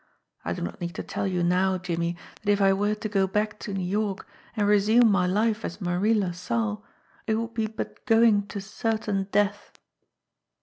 I do not need to tell you now, Jimmie, that if I were to go back to New York and resume my life as Marie LaSalle it would but be going to certain death.